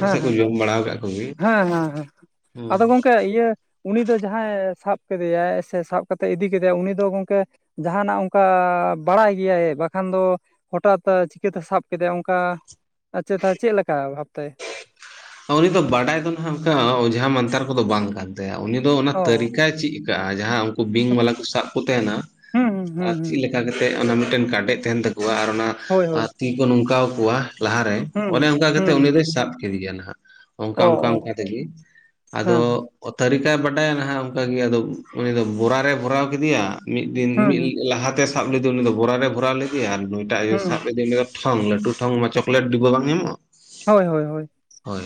ᱦᱮᱸ ᱦᱮᱸ ᱦᱮᱸ ᱦᱮᱸ ᱟᱫᱚ ᱜᱚᱝᱠᱮ ᱤᱭᱟᱹ? ᱩᱱᱤ ᱫᱚ ᱡᱟᱦᱟᱸᱭ ᱥᱟᱵ ᱠᱮᱫᱮᱭᱭᱟ ᱥᱮ ᱥᱟᱵ ᱠᱟᱛᱮ ᱤᱫᱤ ᱠᱮᱫᱮᱭᱟ ᱩᱱᱤ ᱫᱚ ᱜᱚᱢᱠᱮ ᱡᱟᱦᱟᱱᱟᱜ ᱚᱱᱠᱟ ᱵᱟᱲᱟᱭ ᱜᱮᱭᱟᱭ ᱵᱟᱠᱷᱟᱱ ᱫᱚ ᱦᱚᱴᱟ ᱪᱤᱠᱟᱹᱛᱮ ᱥᱟᱵ ᱠᱮᱫᱮᱟᱭ ᱚᱱᱠᱟ ᱟᱪᱮᱛ ᱪᱮᱫ ᱞᱮᱠᱟ ᱚᱵᱷᱟᱵ ᱛᱮ? ᱩᱱᱤ ᱫᱚ ᱵᱟᱰᱟᱭ ᱫᱚ ᱱᱟᱜ ᱚᱱᱠᱟ ᱚᱡᱷᱟ ᱢᱟᱱᱛᱟᱨ ᱠᱚᱫᱚ ᱵᱟᱝ ᱠᱟᱱ ᱛᱟᱭᱟ ᱩᱱᱤ ᱫᱚ ᱚᱱᱟ ᱚ ᱛᱟᱹᱨᱤᱠᱟᱭ ᱪᱮᱫ ᱠᱟᱜ-ᱟ ᱡᱟᱦᱟᱸ ᱩᱱᱠᱩ ᱵᱤᱧ ᱵᱟᱞᱟ ᱠᱚ ᱥᱟᱵ ᱠᱚ ᱛᱟᱦᱮᱱᱟ ᱾ ᱦᱩᱸ ᱦᱩᱸ ᱦᱩᱸ ᱟᱨ ᱦᱩᱸ ᱪᱮᱫ ᱞᱮᱠᱟ ᱠᱟᱛᱮᱫ ᱚᱱᱟ ᱢᱤᱫᱴᱮᱱ ᱠᱟᱰᱮᱡ ᱛᱟᱦᱮᱱ ᱛᱟᱠᱚᱣᱟ ᱟᱨ ᱚᱱᱟ ᱦᱳᱭ ᱦᱳᱭ ᱛᱤ ᱠᱚ ᱱᱚᱝᱠᱟ ᱠᱚᱣᱟ ᱾ ᱞᱟᱦᱟᱨᱮ ᱦᱩᱸ ᱚᱱᱮ ᱚᱱᱠᱟ ᱠᱟᱛᱮᱜ ᱦᱩᱸ ᱩᱱᱤ ᱫᱚᱭ ᱥᱟᱵ ᱠᱮᱫᱮᱭᱟ ᱱᱟᱦᱟᱸᱜ᱾ ᱚ ᱚᱱᱠᱟ ᱚᱱᱠᱟ ᱚ ᱚᱱᱠᱟ ᱛᱮᱜᱮ, ᱟᱫᱚ ᱦᱮᱸ ᱦᱮᱸ ᱛᱟᱹᱨᱤᱠᱟᱭ ᱵᱟᱰᱟᱭᱟ ᱱᱟᱦᱟᱸᱜ ᱚᱱᱠᱟᱜᱮ ᱟᱫᱚ ᱩᱱᱤ ᱫᱚ ᱵᱚᱨᱟᱨᱮᱭ ᱵᱷᱚᱨᱟᱣ ᱠᱮᱫᱮᱭᱟ ᱾ ᱢᱤᱫ ᱫᱤᱱ ᱦᱩᱸ ᱢᱤᱫ ᱦᱩᱸ ᱞᱟᱦᱟᱛᱮ ᱥᱟᱵ ᱞᱮᱫᱮ ᱩᱱᱤ ᱫᱚ ᱵᱚᱨᱟᱨᱮᱭ ᱵᱷᱚᱨᱟᱣ ᱞᱮᱫᱮᱭᱟ ᱟᱨ ᱱᱚᱭᱴᱟᱜ ᱤᱭᱟᱹᱭ ᱦᱩᱸ ᱥᱟᱵ ᱞᱮᱫᱮ ᱩᱱᱤ ᱫᱚ ᱴᱷᱚᱝ ᱞᱟᱹᱰᱩ ᱴᱦᱚᱝ ᱢᱟ ᱪᱚᱠᱞᱮᱴ ᱰᱤᱵᱟ ᱵᱟᱝ ᱧᱟᱢᱚᱜ-ᱟ᱾ ᱦᱳᱭ ᱦᱳᱭ ᱦᱳᱭ ᱾ ᱦᱳᱭ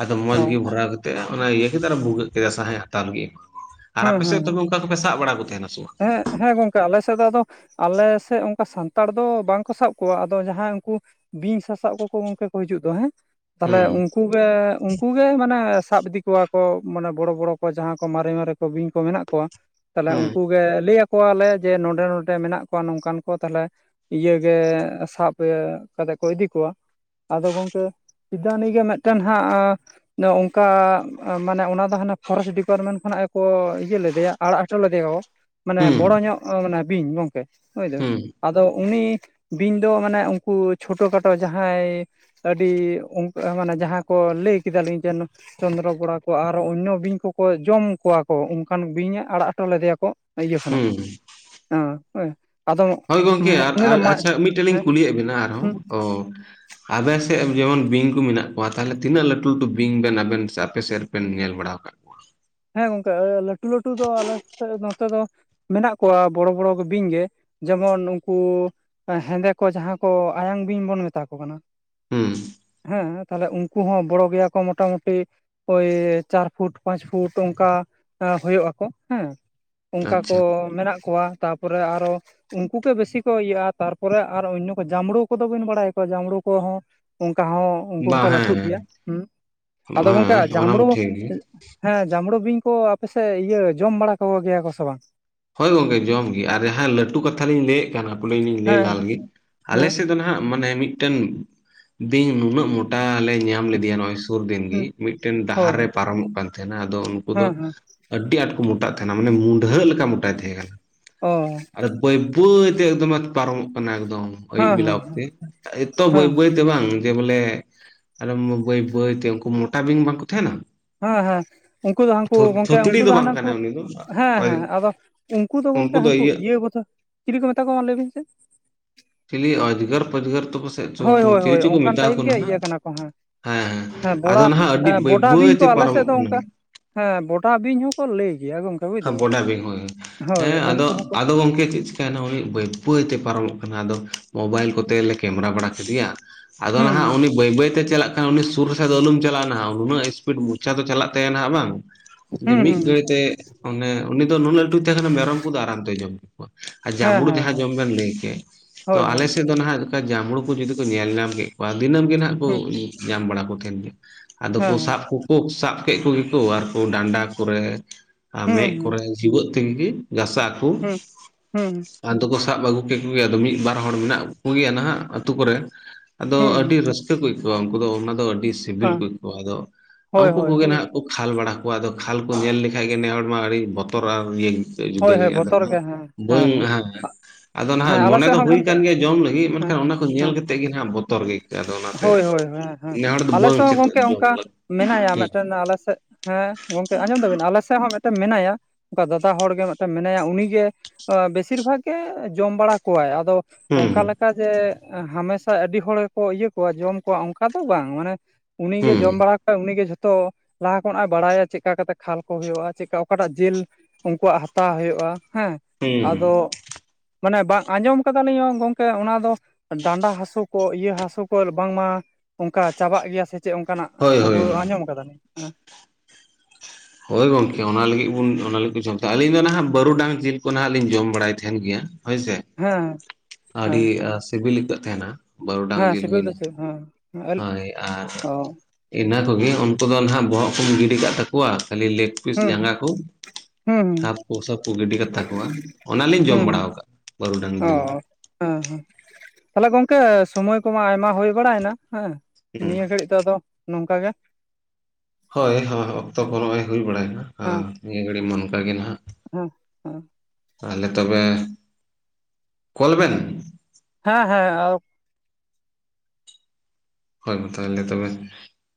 ᱟᱫᱚ ᱢᱚᱸᱡᱽ ᱜᱮ ᱵᱷᱚᱨᱟᱣ ᱠᱟᱛᱮᱫ ᱚᱱᱟ ᱤᱭᱟᱹ ᱠᱮᱫᱟ ᱵᱷᱩᱜᱟᱹᱜ ᱠᱮᱫᱟ ᱥᱟᱸᱦᱮ ᱦᱟᱛᱟᱣ ᱞᱟᱹᱜᱤᱫᱜ᱾ ᱟᱨ ᱟᱯᱮ ᱥᱮᱫ ᱛᱚᱵᱮ ᱚᱱᱠᱟ ᱠᱚᱯᱮ ᱥᱟᱵ ᱵᱟᱲᱟ ᱠᱚ ᱛᱟᱦᱮᱱᱟ ᱥᱮ ᱵᱟᱝ? ᱮᱸ ᱦᱮᱸ ᱜᱚᱝᱠᱮ ᱟᱞᱮ ᱥᱮᱫ ᱫᱚ ᱟᱫᱚ ᱟᱞᱮ ᱥᱮᱫ ᱚᱱᱠᱟ ᱥᱟᱱᱛᱟᱲ ᱫᱚ ᱵᱟᱝᱠᱚ ᱥᱟᱵ ᱠᱚᱣᱟ, ᱟᱫᱚ ᱡᱟᱦᱟᱸᱭ ᱩᱱᱠᱩ ᱵᱤᱧ ᱥᱟᱥᱟᱵ ᱠᱚᱠᱚ ᱜᱚᱝᱠᱮ ᱠᱚ ᱦᱤᱡᱩᱜ ᱫᱚ ᱦᱮᱸ ᱛᱟᱦᱚᱞᱮ ᱦᱩᱸ ᱩᱱᱠᱩ ᱜᱮ ᱩᱱᱠᱩ ᱜᱮ ᱢᱟᱱᱮ ᱥᱟᱵ ᱤᱫᱤ ᱠᱚᱣᱟ ᱠᱚ ᱢᱟᱱᱮ ᱵᱚᱲᱚ ᱵᱚᱲᱚ ᱠᱚ ᱡᱟᱦᱟᱸ ᱠᱚ ᱢᱟᱨᱮ ᱢᱟᱨᱮ ᱠᱚ ᱵᱤᱧ ᱠᱚ ᱢᱮᱱᱟᱜ ᱠᱚᱣᱟ, ᱛᱟᱦᱚᱞᱮ ᱩᱱ ᱦᱩᱸ ᱠᱚᱜᱮ ᱞᱟᱹᱭ ᱟᱠᱚᱣᱟᱞᱮ ᱡᱮ ᱱᱚᱰᱮ ᱱᱚᱰᱮ ᱢᱮᱱᱟᱜ ᱠᱚᱣᱟ ᱱᱚᱝᱠᱟᱱ ᱠᱚ ᱛᱟᱦᱚᱞᱮ ᱤᱭᱟᱹᱜᱮ ᱥᱟᱵ ᱮ ᱠᱟᱛᱮᱜ ᱠᱚ ᱤᱫᱤ ᱠᱚᱣᱟ, ᱟᱫᱚ ᱜᱚᱝᱠᱮ [INAUDIBLE] ᱜᱮ ᱢᱤᱫᱴᱮᱱ ᱦᱟᱸᱜ ᱚᱱᱠᱟ ᱢᱟᱱᱮ ᱚᱱᱟ ᱫᱚ ᱦᱟᱱᱮ ᱯᱷᱚᱨᱮᱥᱴ ᱰᱤᱯᱟᱨᱢᱮᱱᱴ ᱠᱷᱚᱱᱟᱜ ᱜᱮᱠᱚ ᱤᱭᱟᱹ ᱞᱮᱫᱮᱭᱟ ᱟᱲᱟᱜ ᱦᱚᱴᱚ ᱞᱮᱫᱮᱭᱟ ᱠᱚ ᱾ ᱢᱟᱱᱮ ᱦᱩᱸ ᱵᱚᱲᱚ ᱧᱚᱜ ᱢᱟᱱᱮ ᱵᱤᱧ ᱜᱚᱝᱠᱮ ᱦᱚᱭ ᱫᱚ ᱦᱩᱸ ᱾ ᱟᱫᱚ ᱩᱱᱤ ᱵᱤᱧ ᱫᱚ ᱢᱟᱱᱮ ᱩᱱᱠᱩ ᱪᱷᱳᱴᱳ ᱠᱷᱟᱴᱳ ᱡᱟᱦᱟᱸᱭ ᱟᱹᱰᱤ ᱚᱱᱠᱟ ᱢᱟᱱᱮ ᱡᱟᱦᱟᱸ ᱠᱚ ᱞᱟᱹᱭ ᱠᱮᱫᱟᱞᱤᱧ ᱡᱮᱱ ᱪᱚᱱᱫᱨᱚ ᱵᱚᱲᱟ ᱠᱚ ᱟᱨᱚ ᱚᱱᱱᱚ ᱵᱤᱧ ᱠᱚᱠᱚ ᱡᱚᱢ ᱠᱚᱣᱟ ᱠᱚ ᱚᱱᱠᱟᱱ ᱵᱤᱧᱮ ᱟᱲᱟᱜ ᱦᱚᱴᱚ ᱞᱮᱫᱮᱭᱟ ᱠᱚ ᱾ ᱤᱭᱟᱹ ᱠᱷᱚᱱᱟᱜ ᱦᱩᱸ [INAUDIBLE] ᱦᱳᱭ ᱜᱚᱝᱠᱮ ᱟᱨ ᱩᱱᱤ ᱫᱚ [INAUDIBLE] ᱢᱟᱜ ᱟᱪᱪᱷᱟ ᱢᱤᱫᱴᱮᱱ ᱞᱤᱧ ᱦᱮᱸ ᱠᱩᱞᱤᱭᱮᱫ ᱵᱮᱱᱟ ᱦᱩᱸ ᱟᱨᱦᱚᱸ ᱚ᱾ ᱟᱵᱮᱱ ᱥᱮᱫ ᱡᱮᱢᱚᱱ ᱵᱤᱧ ᱠᱚ ᱢᱮᱱᱟᱜ ᱠᱚᱣᱟ ᱛᱟᱦᱚᱞᱮ ᱛᱤᱱᱟᱹᱜ ᱞᱟᱹᱴᱩ ᱞᱟᱹᱴᱩ ᱵᱤᱧ ᱵᱮᱱ ᱟᱵᱮᱱ ᱥᱮ ᱟᱯᱮ ᱥᱮᱫ ᱨᱮ ᱯᱮ ᱧᱮᱞ ᱵᱟᱲᱟ ᱠᱟᱜ ᱦᱮᱸ ᱜᱚᱝᱠᱮ ᱞᱟᱹᱴᱩ ᱞᱟᱹᱴᱩ ᱫᱚ ᱟᱞᱮ ᱥᱮᱫ ᱱᱚᱛᱮ ᱫᱚ᱾ ᱢᱮᱱᱟᱜ ᱠᱚᱣᱟ ᱵᱚᱲᱚ ᱵᱚᱲᱚ ᱵᱤᱧ ᱜᱮ ᱡᱮᱢᱚᱱ ᱩᱱᱠᱩ ᱦᱮᱸᱫᱮ ᱠᱚ ᱡᱟᱸᱦᱟᱸ ᱠᱚ ᱟᱭᱟᱝ ᱵᱤᱧ ᱵᱚᱱ ᱢᱮᱛᱟ ᱠᱚ ᱠᱟᱱᱟ᱾ ᱦᱩᱸ ᱦᱮᱸ ᱛᱟᱦᱚᱞᱮ ᱩᱱᱠᱩ ᱦᱚᱸ ᱵᱚᱲᱚ ᱜᱮᱭᱟ ᱠᱚ ᱢᱚᱴᱟ ᱢᱩᱴᱤ ᱳᱭ ᱪᱟᱨ ᱯᱷᱩᱴ ᱯᱟᱸᱪ ᱯᱷᱩᱴ᱾ ᱛᱳ ᱚᱱᱠᱟ ᱦᱳᱭᱳᱜ ᱟᱠᱚ ᱦᱮᱸ, ᱚᱱᱠᱟ ᱠᱚ ᱟᱪᱪᱷᱟ ᱢᱮᱱᱟᱜ ᱠᱚᱣᱟ ᱛᱟ ᱯᱚᱨᱮ ᱟᱨᱚ᱾ ᱩᱱᱠᱩ ᱠᱮ ᱵᱮᱥᱤ ᱠᱚ ᱤᱭᱟᱹᱜᱼᱟ ᱛᱟᱨᱯᱚᱨᱮ ᱟᱨ ᱚᱱᱭᱚ ᱠᱚ ᱡᱟᱢᱵᱽᱲᱩ ᱠᱚᱫᱚ ᱵᱮᱱ ᱵᱟᱲᱟᱭ ᱟᱠᱚᱣᱟ ᱡᱟᱢᱵᱽᱲᱩ ᱠᱚᱦᱚᱸ᱾ ᱚᱱᱠᱟ ᱦᱚᱸ ᱩᱱᱠᱩ ᱵᱟᱝ ᱦᱚᱸᱠᱚ ᱦᱮᱸ ᱞᱟᱹᱴᱷᱩᱜ ᱜᱮᱭᱟ ᱦᱮᱸ ᱟᱫᱚ ᱜᱚᱢᱠᱮ ᱦᱮᱸ ᱚᱱᱟ ᱢᱟ ᱡᱟᱢᱲᱩ ᱴᱷᱤᱠ ᱜᱮ ᱦᱮᱸ ᱡᱟᱢᱲᱳ ᱵᱤᱧ ᱠᱚ ᱟᱯᱮ ᱥᱮᱫ ᱤᱭᱟᱹ ᱡᱚᱢ ᱵᱟᱲᱟ ᱠᱚᱜᱮᱭᱟ ᱠᱚ ᱥᱮ ᱵᱟᱝ? ᱦᱳᱭ ᱜᱚᱝᱠᱮ ᱡᱚᱢ ᱜᱮ ᱟᱨ ᱡᱟᱦᱟᱸ ᱞᱟᱹᱴᱩ ᱠᱟᱛᱷᱟᱞᱤᱧ ᱞᱟᱹᱭᱮᱫ ᱠᱟᱱ ᱯᱟᱞᱤᱧ ᱞᱟᱹᱭ ᱦᱮᱸ ᱞᱟᱦᱟ ᱞᱮᱜᱤ, ᱦᱮᱸ ᱟᱞᱮᱥᱮᱫ ᱫᱚ ᱦᱟᱸᱜ ᱢᱟᱱᱮ ᱢᱤᱫᱴᱮᱱ ᱵᱤᱧ ᱱᱩᱱᱟᱹᱜ ᱢᱚᱴᱟ ᱞᱮ ᱧᱟᱢ ᱞᱮᱫᱮᱭᱟ ᱱᱚᱜᱼᱚᱭ ᱥᱩᱨ ᱫᱤᱱ ᱜᱮ ᱦᱮᱸ ᱢᱤᱫᱴᱮᱱ ᱦᱳᱭ ᱰᱟᱦᱟᱨ ᱨᱮ ᱦᱳᱭ ᱯᱟᱨᱚᱢᱚᱜ ᱠᱟᱱ ᱛᱟᱦᱮᱱᱟ ᱟᱫᱚ ᱩᱱᱠᱩ ᱫᱚ ᱦᱮᱸ ᱦᱮᱸ ᱟᱹᱰᱤ ᱟᱸᱴ ᱠᱚ ᱢᱚᱴᱟᱜ ᱛᱟᱦᱮᱸᱱᱟ ᱢᱟᱱᱮ ᱢᱩᱰᱷᱟᱹ ᱞᱮᱠᱟ ᱢᱚᱴᱟᱭ ᱛᱟᱦᱮᱸ ᱠᱟᱱᱟ᱾ ᱚ ᱟᱨ ᱵᱟᱹᱭ ᱵᱟᱹᱭ ᱛᱮ ᱮᱠᱫᱚᱢᱮ ᱯᱟᱨᱚᱢᱚᱜ ᱠᱟᱱᱟ ᱮᱠᱫᱚᱢ᱾ ᱚᱭᱩᱵ ᱦᱮᱸ ᱵᱮᱞᱟ ᱦᱮᱸ ᱚᱠᱛᱮ, ᱮᱛᱚ ᱵᱟᱹᱭ ᱦᱮᱸ ᱵᱟᱹᱭ ᱛᱮ ᱵᱟᱝ᱾ ᱡᱮ ᱵᱚᱞᱮ ᱟᱨ ᱵᱟᱹᱭ ᱵᱟᱹᱭ ᱛᱮ ᱩᱱᱠᱩ ᱢᱚᱴᱟ ᱵᱤᱧ ᱵᱟᱝ ᱚ ᱛᱟᱦᱮᱱᱟ᱾ ᱦᱮᱸ ᱦᱮᱸ ᱩᱱᱠᱩ ᱫᱚ ᱦᱟᱹᱱᱠᱩ ᱛᱷᱩ- ᱜᱚᱝᱠᱮ ᱩᱱᱠᱩ ᱛᱷᱩᱛᱲᱤ ᱫᱚ ᱵᱟᱝ ᱦᱟᱱᱠᱩ ᱠᱟᱱᱟᱭ ᱩᱱᱤ ᱫᱚ ᱦᱮᱸ ᱦᱮᱸ ᱚᱡ- ᱟᱫᱚ᱾ ᱩᱱᱠᱩ ᱫᱚ ᱜᱚᱝᱠᱮ ᱦᱟᱱᱠᱩ ᱤᱭᱟᱹ ᱠᱚᱫᱚ ᱪᱤᱞᱤ ᱠᱚ ᱢᱮᱛᱟ ᱠᱚᱣᱟ ᱞᱟᱹᱭ ᱵᱤᱱ ᱥᱮ᱾ ᱪᱤᱞᱤ ᱚᱡᱽᱜᱟᱨ ᱯᱚᱡᱜᱟᱨ ᱛᱚ ᱯᱟᱥᱮᱫ ᱦᱳᱭ ᱦᱳᱭ ᱪᱤᱞᱤ ᱦᱳᱭ ᱪᱚ ᱠᱚ ᱚᱱᱠᱟᱱ ᱢᱮᱛᱟ ᱴᱟᱭᱤᱯ ᱠᱚ ᱜᱮ ᱱᱟᱦᱟᱜ᱾ ᱤᱭᱟᱹ ᱠᱟᱱᱟ ᱠᱚ ᱦᱮᱸ ᱦᱮᱸ ᱟᱫᱚ ᱱᱟᱦᱟᱜ ᱟᱹᱰᱤ ᱵᱟᱹᱭ ᱵᱚᱰᱟ ᱵᱟᱹᱭ ᱵᱤᱧ ᱠᱚ ᱛᱮ ᱟᱞᱮ ᱥᱮᱫ ᱯᱟᱨᱚᱢᱚᱜ ᱫᱚ ᱠᱟᱱᱟ᱾ ᱚᱱᱠᱟ ᱦᱮᱸ ᱵᱚᱴᱟ ᱵᱤᱧ ᱦᱚᱸᱠᱚ ᱞᱟᱹᱭ ᱜᱮᱭᱟ ᱜᱚᱝᱠᱮ᱾ ᱵᱩᱡ ᱫᱟᱵᱤᱱ ᱵᱚᱰᱟ ᱵᱤᱧ ᱦᱳᱭ, ᱦᱳᱭ ᱦᱮᱸ ᱟᱫᱚ ᱩᱱᱠᱩ ᱦᱚᱸᱠᱚ ᱟᱫᱚ ᱜᱚᱝᱠᱮ ᱪᱮᱫ ᱛᱮᱱ ᱦᱩᱭᱩᱜ ᱵᱟᱹᱭ ᱵᱟᱹᱭ ᱛᱮ ᱯᱟᱨᱚᱢᱚᱜ ᱠᱟᱱᱟ, ᱟᱫᱚ ᱢᱳᱵᱟᱭᱤᱞ ᱠᱚᱛᱮ ᱞᱮ ᱠᱮᱢᱮᱨᱟ ᱵᱟᱲᱟ ᱠᱮᱫᱮᱭᱟ᱾ ᱟᱫᱚ ᱱᱟᱦᱟᱜ ᱦᱩᱸ ᱩᱱᱤ ᱵᱟᱹᱭ ᱵᱟᱹᱭ ᱛᱮ ᱪᱟᱞᱟᱜ ᱠᱷᱟᱱ ᱩᱱᱤ ᱥᱩᱨ ᱨᱮ ᱠᱷᱟᱡ ᱫᱚ ᱟᱞᱚᱢ ᱪᱟᱞᱟᱜᱼᱟ, ᱱᱩᱱᱟᱹᱜ ᱥᱯᱤᱰ ᱢᱚᱪᱷᱟ ᱫᱚ ᱪᱟᱞᱟᱜ ᱛᱟᱭᱟ ᱱᱟᱦᱟᱜ ᱵᱟᱝ᱾ ᱦᱩᱸ ᱦᱩᱸ ᱢᱤᱫ ᱦᱩᱸ ᱜᱷᱟᱹᱲᱤ ᱛᱮ ᱚᱱᱮ ᱩᱱᱤ ᱫᱚ ᱱᱩᱱᱟᱜ ᱞᱟᱹᱴᱩᱭ ᱛᱟᱦᱮᱸ ᱠᱟᱱᱟ ᱢᱮᱨᱚᱢ ᱠᱚᱫᱚ ᱟᱨᱟᱢ ᱛᱮᱭ ᱡᱚᱢ ᱠᱚᱣᱟ᱾ ᱟᱨ ᱦᱮᱸ ᱡᱟᱸᱢᱲᱩ ᱦᱮᱸ ᱡᱟᱸᱦᱟᱸ ᱦᱮᱸ ᱡᱚᱢ ᱵᱮᱱ ᱞᱟᱹᱭ ᱠᱮᱫ ᱛᱚ ᱦᱳᱭ ᱟᱞᱮ ᱦᱳᱭ ᱥᱮᱫ ᱫᱚ ᱱᱟᱦᱟᱜ ᱡᱟᱢᱲᱩ ᱠᱚ ᱡᱩᱫᱤ ᱠᱚ ᱧᱮᱞ ᱧᱟᱢ ᱠᱮᱫ ᱠᱚᱣᱟ ᱫᱤᱱᱟᱹᱢ ᱜᱮ ᱦᱟᱜ ᱠᱚ ᱦᱩᱸ ᱧᱟᱢ ᱵᱟᱲᱟ ᱠᱚ ᱛᱟᱦᱮᱱ ᱜᱮᱭᱟ᱾ ᱟᱫᱚ ᱠᱚ ᱦᱮᱸ ᱥᱟᱵ ᱠᱚ ᱠᱚ ᱥᱟᱵ ᱠᱮᱫ ᱠᱚᱜᱮ ᱠᱩ ᱟᱨᱠᱩ ᱰᱟᱸᱰᱟ ᱠᱚᱨᱮ, ᱢᱮᱫ ᱦᱮᱸ ᱦᱩᱸ ᱠᱚᱨᱮ, ᱡᱤᱣᱮᱫ ᱛᱮᱜᱮ ᱜᱷᱟᱥᱟᱣ ᱟᱠᱚ᱾ ᱦᱩᱸ ᱦᱩᱸ ᱟᱫᱚ ᱠᱚ ᱥᱟᱵ ᱟᱹᱜᱩ ᱠᱮᱫ ᱠᱚᱜᱮ ᱟᱫᱚ ᱢᱤᱫ ᱵᱟᱨ ᱦᱚᱲ ᱢᱮᱱᱟᱜ ᱠᱚᱜᱮᱭᱟ ᱱᱟᱦᱟᱜ ᱟᱛᱩ ᱠᱚᱨᱮ᱾ ᱟᱫᱚ ᱦᱩᱸ ᱦᱩᱸ ᱟᱹᱰᱤ ᱨᱟᱹᱥᱠᱟᱹ ᱠᱚ ᱟᱹᱭᱠᱟᱹᱣᱟ ᱩᱱᱠᱩ ᱫᱚ ᱚᱱᱟ ᱫᱚ ᱟᱹᱰᱤ ᱥᱤᱵᱤᱞ ᱦᱮᱸ ᱠᱚ ᱟᱹᱭᱠᱟᱹᱣᱟ ᱟᱫᱚ ᱦᱳᱭ ᱩᱱᱠᱩ ᱦᱳᱭ ᱠᱚᱜᱮ ᱦᱳᱭ ᱱᱟᱦᱟᱜ᱾ ᱠᱚ ᱠᱷᱟᱞ ᱵᱟᱲᱟ ᱠᱚᱣᱟ, ᱟᱫᱚ ᱠᱷᱟᱞ ᱠᱚ ᱧᱮᱞ ᱞᱮᱠᱷᱟᱡ ᱜᱮ ᱱᱮ ᱦᱚᱲᱢᱟ ᱟᱹᱰᱤ ᱵᱚᱛᱚ ᱨᱟᱱ ᱦᱳᱭ ᱡᱩᱫᱟᱹ ᱦᱳᱭ ᱜᱮᱭᱟ ᱟᱫᱚ ᱵᱚᱛᱚᱨ ᱜᱮ ᱦᱟᱸᱜ, ᱦᱮᱸ ᱵᱟᱹᱝ ᱦᱮᱸ ᱟᱫᱚ ᱦᱮᱸ ᱱᱟᱦᱟᱜ ᱟᱞᱮ ᱢᱚᱱᱮ ᱥᱮᱫ ᱫᱚ ᱦᱚᱸ ᱦᱩᱭ ᱜᱚᱢᱠᱮ ᱟᱠᱟᱱ ᱜᱮᱭᱟ ᱡᱚᱢ ᱞᱟᱹᱜᱤᱫ ᱦᱮᱸ ᱢᱮᱱᱠᱷᱟᱱ ᱚᱱᱟ ᱦᱮᱸ ᱧᱮᱞ ᱠᱟᱛᱮᱫ ᱜᱮ ᱱᱟᱱᱟᱜ ᱵᱚᱛᱚᱨ ᱜᱮ ᱟᱹᱭᱠᱟᱹᱜᱼᱟ, ᱟᱫᱚ ᱚᱱᱟᱛᱮ ᱦᱳᱭ ᱦᱳᱭ ᱦᱮᱸ ᱦᱮᱸ ᱱᱮ ᱦᱚᱲ ᱫᱚ ᱟᱞᱮ ᱥᱮᱫ ᱦᱚᱸ ᱜᱚᱝᱠᱮ ᱚᱱᱠᱟ [INAUDIBLE] ᱢᱮᱱᱟᱭᱟ ᱢᱤᱫᱴᱮᱱ ᱟᱞᱮ ᱥᱮᱫ ᱦᱮᱸ ᱜᱚᱝᱠᱮ ᱟᱸᱡᱚᱢ ᱫᱟᱵᱤᱱ ᱟᱞᱮ ᱥᱮᱫ ᱦᱚᱸ ᱢᱤᱫᱴᱮᱱ ᱢᱮᱱᱟᱭᱟ᱾ ᱚᱱᱠᱟ ᱫᱟᱫᱟ ᱦᱚᱲ ᱜᱮ ᱢᱤᱫᱴᱮᱱ ᱢᱮᱱᱟᱭᱟ ᱩᱱᱤ ᱜᱮ ᱵᱮᱥᱤᱨ ᱵᱷᱟᱜᱽ ᱜᱮ ᱡᱚᱢ ᱵᱟᱲᱟ ᱠᱚᱣᱟᱭ ᱟᱫᱚ᱾ ᱦᱩᱸ ᱚᱱᱠᱟ ᱦᱩᱸ ᱞᱮᱠᱟ ᱚᱱᱠᱟ ᱡᱮ ᱦᱟᱢᱮᱥᱟ ᱟᱹᱰᱤ ᱦᱚᱲ ᱜᱮᱠᱚ ᱤᱭᱟᱹ ᱠᱚᱣᱟ ᱡᱚᱢ ᱠᱚᱣᱟ ᱚᱱᱠᱟ ᱫᱚ ᱵᱟᱝ ᱢᱟᱱᱮ᱾ ᱩᱱᱤ ᱜᱮ ᱦᱩᱸ ᱡᱚᱢ ᱵᱟᱲᱟ ᱩᱱᱤᱜᱮ ᱡᱷᱚᱛᱚ ᱞᱟᱦᱟ ᱠᱷᱚᱱᱟᱜ ᱮ ᱵᱟᱲᱟᱭᱟ ᱪᱮᱠᱟ ᱠᱟᱛᱮ ᱠᱷᱟᱞ ᱠᱚ ᱦᱩᱭᱩᱜᱼᱟ ᱪᱮᱠᱟ ᱚᱠᱟᱴᱟᱜ ᱡᱤᱞ ᱩᱱᱠᱩᱣᱟᱜ ᱦᱟ ᱦᱟᱛᱟᱣ ᱦᱩᱭᱩᱜᱼᱟ ᱦᱮᱸ ᱦᱩᱸ ᱦᱩᱸ ᱟᱫᱚ ᱢᱟᱱᱮ ᱵᱟ ᱟᱸᱡᱚᱢ ᱠᱟᱫᱟᱞᱤᱧ ᱜᱚᱝᱠᱮ ᱚᱱᱟ ᱫᱚ ᱰᱟᱸᱰᱟ ᱦᱟᱹᱥᱩ ᱠᱚ ᱤᱭᱟᱹ ᱦᱟᱹᱥᱩ ᱠᱚ ᱵᱟᱝᱢᱟ ᱚᱱᱠᱟ ᱪᱟᱵᱟᱜ ᱜᱮᱭᱟ ᱥᱮ ᱾ ᱪᱮᱜ ᱚᱱᱠᱟᱱᱟᱜ ᱦᱳᱭ ᱦᱳᱭ ᱠᱷᱚᱵᱚᱨ ᱦᱳᱭ ᱟᱸᱡᱚᱢ ᱟᱠᱟᱫᱟ ᱞᱤᱧ ᱦᱮᱸᱼᱼ ᱦᱳᱭ ᱜᱚᱝᱠᱮ ᱚᱱᱟ ᱞᱟᱹᱜᱤᱫ ᱵᱚᱱ ᱚᱱᱟ ᱞᱟᱹᱜᱤᱫ ᱡᱚᱢ ᱛᱟᱦᱮᱡ ᱟᱹᱞᱤᱧ ᱫᱚ ᱱᱟᱦᱟᱜ ᱵᱟᱹᱨᱩᱰᱟᱝ ᱡᱤᱞ ᱠᱚ ᱱᱟᱦᱟᱜ ᱞᱤᱧ ᱡᱚᱢ ᱵᱟᱲᱟᱭ ᱛᱟᱦᱮᱱ ᱜᱮᱭᱟ ᱾ ᱦᱳᱭ ᱥᱮ ᱦᱮᱸ ᱦᱮᱸ ᱟᱹᱰᱤ ᱮ ᱥᱤᱵᱤᱞ ᱟᱹᱭᱠᱟᱹᱜ ᱛᱟᱦᱮᱱᱟ ᱵᱟᱨᱩᱰᱟᱝ ᱦᱮᱸ ᱡᱤᱞ ᱦᱩᱭ ᱥᱤᱵᱤᱞ ᱫᱚ ᱮᱱᱟ ᱾ ᱪᱮᱫ ᱦᱮᱸ ᱦᱳᱭ ᱟᱨ ᱚ ᱤᱱᱟᱹ ᱠᱚᱜᱮ ᱩᱱᱠᱩ ᱫᱚ ᱱᱟᱦᱟᱜ ᱵᱚᱦᱚᱜ ᱠᱚᱢ ᱜᱤᱰᱤ ᱠᱟᱜ ᱛᱟᱠᱚᱣᱟ ᱠᱷᱟᱹᱞᱤ ᱞᱮᱜ ᱯᱤᱥ ᱦᱩᱸ ᱡᱟᱸᱜᱟ ᱠᱚ ᱾ ᱦᱩᱸ ᱥᱟᱵ ᱠᱚ ᱥᱟᱵ ᱠᱚ ᱜᱤᱰᱤ ᱠᱟᱛᱟ ᱠᱚᱣᱟ ᱚᱱᱟᱞᱤᱧ ᱡᱚᱢ ᱦᱩᱸ ᱵᱟᱲᱟᱣ ᱠᱟᱜᱼᱟ ᱵᱟᱹᱨᱩ ᱰᱟᱝ ᱚ ᱡᱤᱞ ᱫᱚ᱾ ᱦᱮᱸ ᱦᱮᱸ ᱛᱟᱦᱚᱞᱮ ᱜᱚᱝᱠᱮ ᱥᱚᱢᱚᱭ ᱠᱚᱢᱟ ᱟᱭᱢᱟ ᱦᱩᱭ ᱵᱟᱲᱟᱭ ᱮᱱᱟ ᱾ ᱦᱮᱸ ᱦᱩᱸ ᱱᱤᱭᱟᱹ ᱜᱷᱟᱹᱲᱤᱡ ᱫᱚ ᱟᱫᱚ ᱱᱚᱝᱠᱟ ᱜᱮ ᱾ ᱦᱳᱭ ᱦᱳᱭ ᱚᱠᱛᱚ ᱠᱚ ᱱᱚᱜᱼᱚᱭ ᱦᱩᱭ ᱵᱟᱲᱟᱭ ᱮᱱᱟ ᱟ ᱦᱮᱸ ᱱᱤᱭᱟᱹ ᱜᱷᱟᱹᱲᱤᱡ ᱢᱟ ᱚᱱᱠᱟ ᱜᱮ ᱱᱟᱦᱟᱜ ᱾ [UNINTELLIGIBLE] ᱛᱟᱦᱚᱞᱮ ᱛᱚᱵᱮ ᱠᱚᱞ ᱵᱮᱱ ᱦᱮᱸ ᱦᱮᱸ ᱟᱵ ᱦᱳᱭ ᱢᱟ ᱛᱟᱦᱚᱞᱮ ᱛᱚᱵᱮ